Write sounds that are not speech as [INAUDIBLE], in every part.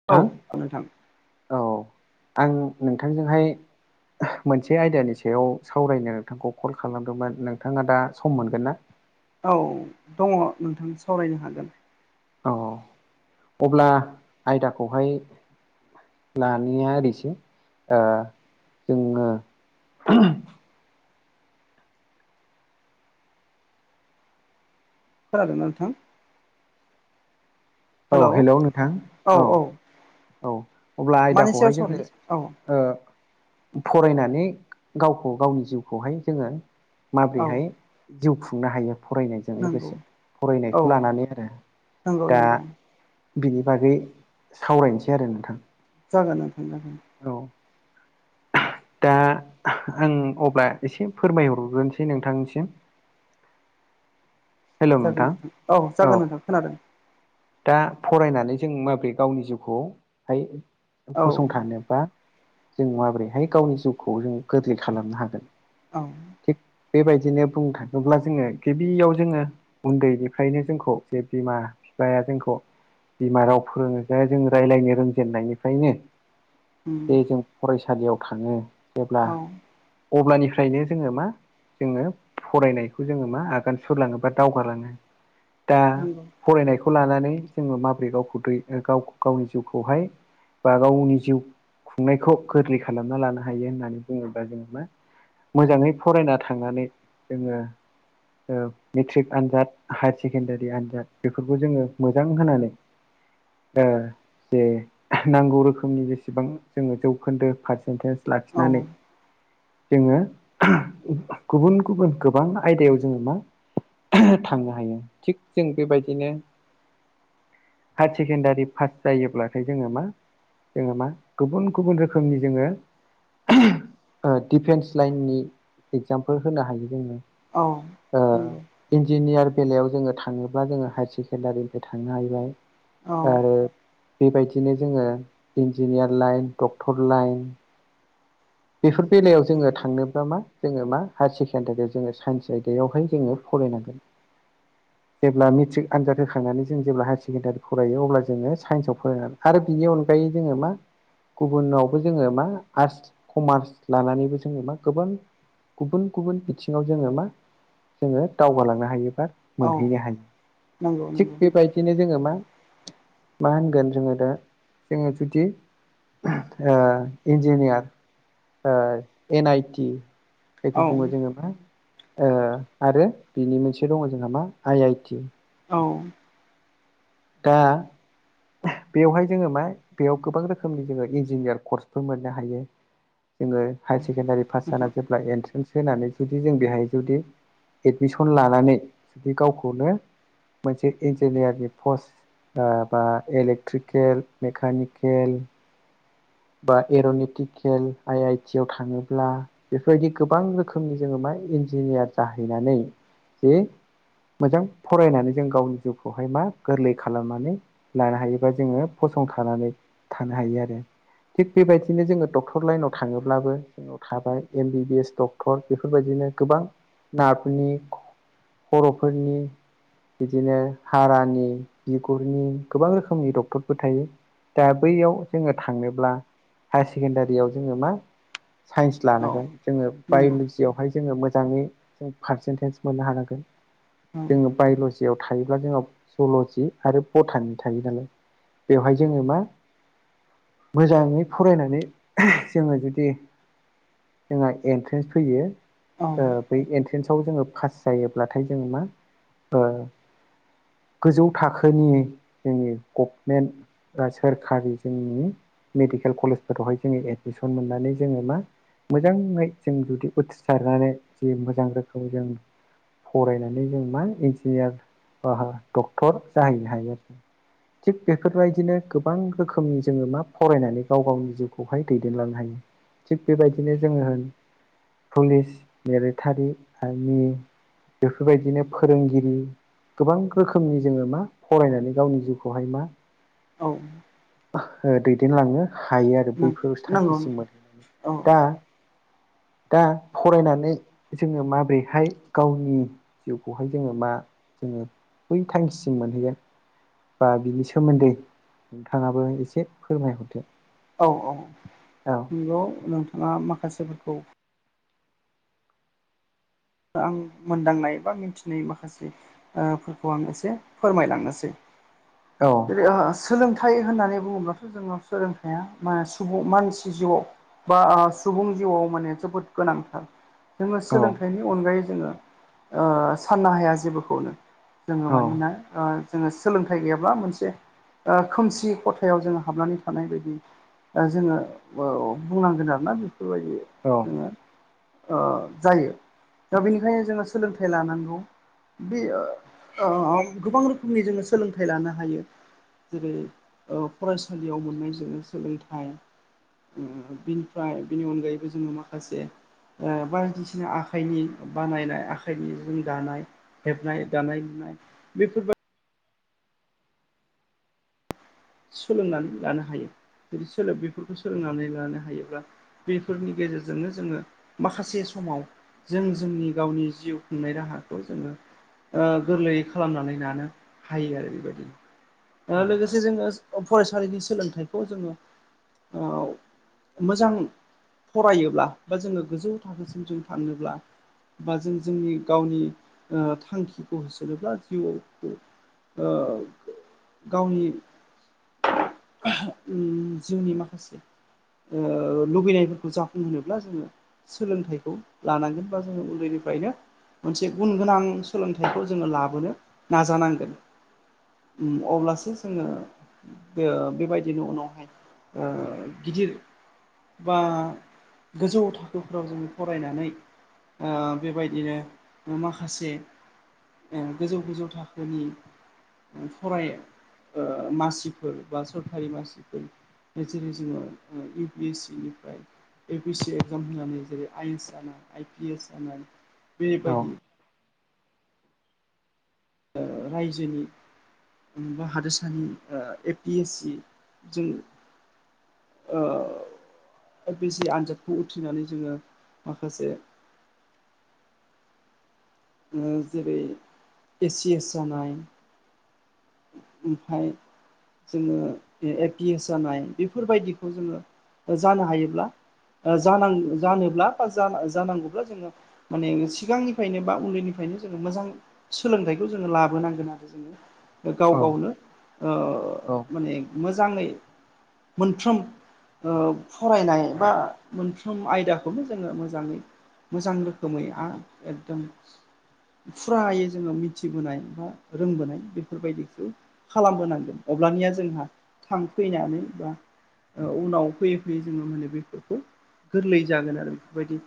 नों औ नोंथां थां औ आं नोंथांजोंहाय मोनसे आयदानि सायाव सावरायनो नोंथांखौ कल खालामदोंमोन नोंथाङा दा सम मोनगोन ना? औ दङ नोंथां सावरायनो हागोन। औ अब्ला आयदाखौहाय लानाया ओरैसो ओ जोङो खोनादों ना नोंथां औ हेलौ नोंथां औ औ औ अब्ला मानि सायाव आयदाखौहाय जोङो सावरायनो औ ओ फरायनानै गावखौ गावनि जिउखौहाय जोङो औ माबोरैहाय जिउ खुंनो हायो फरायनाय नंगौ लोगोसे औ फरायनायखौ लानानै आरो नंगौ दा नंगौ बिनि बागै सावरायनोसै आरो नोंथां जागोन नोंथां जागोन औ दा आं अब्ला एसे फोरमायहरगोनोसै नोंथांनिसिम जागोन नोंथां औ जागोन नोंथां खोनादों दा फरायनानै जों माब्रै गावनि जिउखौहाय औ फसंथानोबा जों माबोरैहाय गावनि जिउखौ जों गोरलै खालामनो हागोन औ थिग बेबायदिनो बुंनो थाङोब्ला जोङो गिबियाव जोङो उन्दैनिफ्रायनो जोंखौ जे बिमा बिफाया जोंखौ बिमा राव फोरोङो जाया जों रायज्लायनो रोंजेननायनिफ्रायनो उम जे जों फरायसालियाव थाङो जेब्ला औ अब्लानिफ्रायनो जोङो मा जोङो फरायनायखौ जोङो मा आगान सुरलाङो बा दावगालाङो दा नंगौ फरायनायखौ लानानै जोङो माबोरै गावखौ दै गाव गावनि जिउखौहाय बा गावनि जिउ खुंनायखौ गोरलै खालामना लानो हायो होननानै बुङोब्ला जोङो मा मोजाङै फरायना थांनानै जोङो मेट्रिक आनजाद हायार सेकेण्डारि आनजाद बेफोरखौ बेखौ जोङो मोजां होनानै ओ जे नांगौ रोखोमनि जेसेबां जोङो जौखोन्दो पारसेन्टेज औ लाखिनानै जोङो गुबुन गुबुन गोबां आयदायाव जोङो मा थांनो हायो थिग जों बेबायदिनो हायार सेकेण्डारि पास जायोब्लाथाय जोङो मा जोङो मा गुबुन गुबुन रोखोमनि जोङो डिफेन्स लाइननि एगजामफोर होनो हायो औ ओ उम इन्जिनियार बेलायाव जोङो थाङोब्ला जोङो हायार सेकेण्डारिनिफ्राय थांनो हाहैबाय औ आरो बेबायदिनो जोङो इन्जिनियार लाइन डक्टर लाइन बेफोर बेलायाव जोङो थांनोब्ला मा जोङो मा हायार सेकेण्डारियाव जोङो साइन्स आयदायावहाय जोङो फरायनांगोन [INAUDIBLE] जेब्ला मेट्रिक आनजाद होखांनानै जों जेब्ला हायार सेकेण्डारि फरायो अब्ला जोङो साइन्सआव फरायनानै आरो बिनि अनगायै जोङो मा गुबुनावबो जोङो मा आस कमार्स लानानैबो जोङो मा गोबां गुबुन गुबुन बिथिङाव जोङो मा जोङो दावगालांनो हायो बा औ मोनहैनो हायो नंगौ थिग नंगौ बेबायदि बिदिनो जोङो मा मा होनगोन जोङो दा जोङो जुदि ओ इन्जिनियार ओ एन आइटि जायखौ औ बुङो जोङो मा ओ आरो बिनि मोनसे दङ जोंहा मा आइ आइटि औ दा बेवहाय जोङो मा बेयाव गोबां रोखोमनि जोङो इन्जिनियार कर्सफोर मोननो हायो जोङो हायार सेकेण्डारि पास जाना नोंथां जेब्ला एन्ट्रेन्स होनानै जुदि जों बेहाय जुदि एडमिसन लानानै जुदि गावखौनो मोनसे इन्जिनियारनि पस् ओ बा इलेक्ट्रिकेल मेकानिकेल बा एर'निटिकेल आइ आइ टि आव थाङोब्ला बेफोरबायदि गोबां रोखोमनि जोङो मा इन्जिनियार जाहैनानै जे मोजां फरायनानै जों गावनि जिउखौहाय मा गोरलै खालामनानै लानो हायोबा जोङो फसंथानानै थानो हायो आरो थिग बेबायदिनो जोङो डक्टर लाइनाव थाङोब्लाबो थाबाय M B B S doctor बेफोरबायदिनो गोबां नारफोरनि बर'फोरनि बिदिनो हारानि बिगुरनि गोबां रोखोमनि डक्टरफोर थायो। दा बैयाव जोङो थांनोब्ला हायार सेकेणडारियाव जोङो मा साइन्स औ लानांगोन जोङो नंगौ बाय'लजि हाय जोङो मोजाङै पारसेटेज मोननो हांगोन औ जोङो बायल'जियाव थायोब्ला जोंङो जल'जि आरो भटानि थायो नालाय बेवहाय जोङो मा मोजाङै फरायनानै जोङो जुदि जोंहा एन्ट्रेन्स फैयो औ ओ बै एन्ट्रेन्सआव जोङो पास जायोब्लाथाय जोङो मा ओ गोजौ थाखोनि जोंनि गभमेन्ट सोरखारि जोंनि मेडिकेल कलेजफोरावहाय जोङो एडमिसन मोननानै जोङो मा मोजाङै जों जुदि उथ्रिसारनानै जि मोजां रोखोम जों फरायनानै जों मा इन्जिनियार डक्टर ओ जाहैनो हायो आरो थिग बेफोरबायदिनो गोबां रोखोमनि जोङो मा फरायनानै गाव गावनि जिउखौहाय दैदेनलांनो हायो थिग बेबायदिनो जोङो होन पुलिस मिलिटारि आरमि बेफोरबायदिनो फोरोंगिरि गोबां रोखोमनि जोङो मा फरायनानै गावनि जिउखौहाय मा औ दैदेन लाङो हायो आरो बैफोर नंगौ थांखिसिम मोन औ दा दा फरायनानै जोङो माबोरैहाय गावनि जिउखौहाय जोङो मा जोङो बै थांखिसिम मोनहैगोन। बा बिनि सोमोन्दै नोंथाङाबो एसे फोरमायहरदो औ औ औ नंगौ नोंथाङा माखासेफोरखौ आं मोनदांनाय ए बा मिथिनाय माखासे ओ फोरखौ आं एसे फोरमायलांनोसै औ जेरै सोलोंथाइ होननानै बुङोब्लाथ' जोंनो सोलोंथाइया मा सुबुं मानसि जिउआव बा ओ सुबुं जिउआव माने जोबोद गोनांथार जोङो औ सोलोंथा अनगायै जोङो ओ साननो हाया जेबोखौनो जोङो मानोना ओ जोङो सोलोंथाइ गैयाब्ला मोनसे ओ खोमसि खथायाव जोङो हाबनानै थानाय बायदि दा जोङो ओ बुंनांगोन आरोना बेफोरबायदि औ जोङो जायो। दा बेनिखायनो जोङो सोलोंथाइ लानांगौ। बे ओ गोबां रोखोमनि जोङो सोलोंथाइ लानो हायो। जेरै ओ फरायसालियाव मोननायजों जोङो सोलोंथाइ बिनिफ्राय बिनि अनगायैबो जोङो माखासे बायदिसिना ओ आखाइनि बानायनाय आखाइनि जुन गानाय हेबनाय दानाय लुनाय बेफोरबाय सोलोंनानै लानो हायो जुदि सोलोोब बेफोरखौ सोलोंनानै लानो हायोब्ला बेफोरनि गेजेरजोंनो जोङो माखासे समाव जों जोंनि गावनि जिउ खुंनाय राहाखौ जोङो गोरलैयै खालामनानै लानो हायो आरो बेबायदि औ लोगोसे जोङो फरायसालिनि सोलोंथाइखौ जोङो मोजां फरायोब्ला बा जोङो गोजौ थाखोसिम जों थाङोब्ला बा जों जोंनि गावनि थांखिखौ होसनोब्ला जिउआव गावनि जिउनि माखासे लुबैनायफोरखौ जाफुंहोनोब्ला जोङो। सोलोंथाइखौ लानांगोन बा जोङो उन्दैनिफ्रायनो मोनसे गुन गोनां सोलोंथाइखौ जोङो लाबोनो नाजानांगोन। अब्लासो जोङो ओ बेबायदिनो उनावहाय गिदिर बा गोजौ थाखोफ्राव जोङो फरायनानै बेबायदिनो माखासे गोजौ गोजौ थाखोनि फराय मासि फोर बा सरकारि मानसिफोर जेरै जोङो इउ पि एस सि निफ्राय ए पिस सि एग्जाम होनानै जेरै आइ एन्स जानाय आइ पि एस जानाय औ बेबायदि रायजोनि बा हादोरसानि ए पि एस सि जों बिसि आनजादखौ उथ्रिनानै जोङो माखासे जेरै ए सि एस जानाय ओमफाय जोङो ए पि एस जानाय बेफोरबायदिखौ जोङो जानो हायोब्ला जान जानोब्ला बा जानांगौब्ला जोङो माने सिगांनिफ्रायनो बा उन्दैनिफ्रायनो जोङो मोजां सोलोंथाइखौ जोङो लाबोनांगोन आरो जोङो गाव औ गावनो औ माने मोजाङै मोनफ्रोम फरायनाय बा मोनफ्रोम आयदाखौनो जोङो मोजाङै मोजां रोखोमै आरो एकदम फुरायै जोङो मिथिबोनाय बा रोंबोनाय बे बेफोरबायदिखौ खालामबोनांगोन अब्लानिया जोंहा थांफैनानै बा उनाव फैयै फैयै जोङो माने बेफोरखौ गोरलै जागोन आरो बेफोरबायदि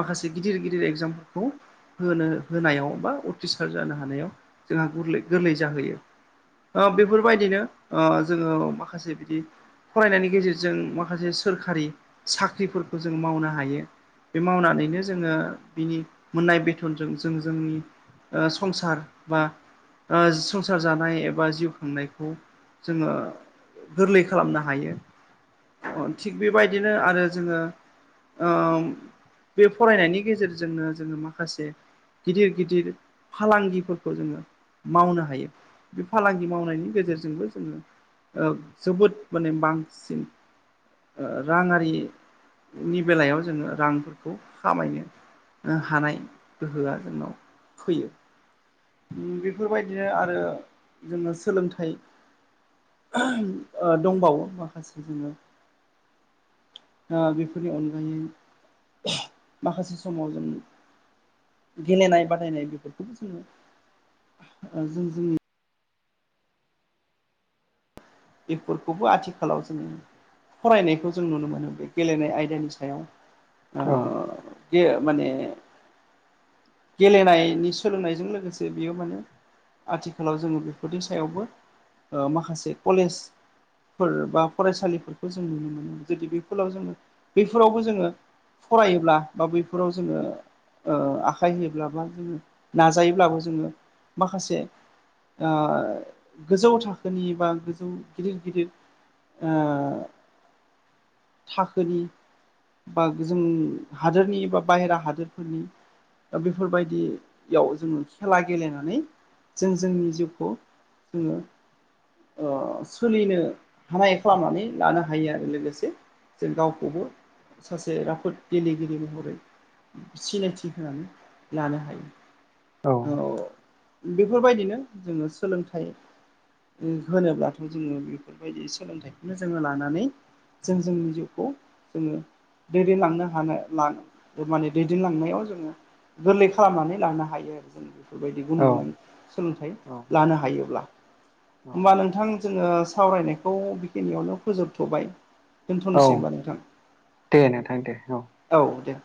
माखासे गिदिर गिदिर एगजामफोरखौ होनो होनायाव बा उथिसार जानो हानायाव जोंहा गोरलै गोरलै जाहोयो। बेफोरबायदिनो जोङो माखासे बिदि फरायनायनि गेजेरजों माखासे सोरखारि साख्रिफोरखौ जों मावनो हायो। बे मावनानैनो जोङो बिनि मोननाय बेथनजों जों जोंनि संसार बा आ संसार जानाय एबा जिउ खांनायखौ जोङो गोरलै खालामनो हायो। थिग बेबायदिनो आरो जोङो बे फरायनायनि गेजेरजोंनो जोङो माखासे गिदिर गिदिर फालांगिफोरखौ जोङो मावनो हायो। बे फालांगि मावनायनि गेजेरजोंबो जोङो जोबोद माने बांसिन राङिनि बेलायाव जोङो रांफोरखौ खामायनो हानाय गोहोआ जोंनाव फैयो। बेफोरबायदिनो आरो जोङो सोलोंथाइ दंबावो माखासे जोङो ओ बेफोरनि अनगायै माखासे समाव जों गेलेनाय बादायनाय बेफोरखौबो ओ जों जोंनि बेफोरखौबो आथिखालाव जोङो फरायनायखौ जों नुनो मोनो बे गेलेनाय आयदानि सायाव ओ औ ओ बे माने गेलेनायनि सोलोंनायजों लोगोसे बेयो माने आथिखालाव जोङो बेफोरनि सायावबो ओ माखासे कलेज फोर बा फरायसालिफोरखौ जों नुनो मोनो जुदि बेफोरलाव जोङो बेफोरावबो जोङो फरायोब्ला बा बैफोराव जोङो ओ आखाइ होयोब्ला बा जोङो नाजायोब्लाबो जोङो माखासे ओ गोजौ थाखोनि बा जों गिदिर गिदिर ओ थाखोनि बा जों हादोरनि बा बाहेरा हादोरफोरनि दा बेफोरबायदियाव जोङो खेला गेलेनानै जों जोंनि जिउखौ जोङो। ओ सोलिनो हानाय खालामनानै लानो हायो आरो लोगोसे जों गावखौबो सासे राफोद गेलेगिरि महरै। सिनायथि होनानै लानो हायो। औ बेफोरबायदिनो जोङो सोलोंथाइ ओम होनोब्लाथ' जोङो बेफोरबायदि सोलोंथाइखौनो जोङो लानानै। जों जोंनि जिउखौ जोङो। दैदेनलांनो हानाय मा - माने दैदेनलांनायाव जोङो। गोरलै खालामनानै लानो हायो आरो जों बेफोरबायदि गुन औ गोनां सोलोंथाइ लानो हायोब्ला होमबा नोंथां जोङो सावरायनायखौ बेखिनियावनो फोजोबथ'बाय औ दोनथ'नोसै होनबा नोंथां दे नोंथां दे औ औ दे